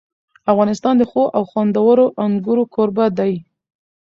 افغانستان د ښو او خوندورو انګورو کوربه دی.